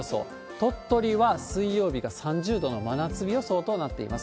鳥取は水曜日が３０度の真夏日予想となっています。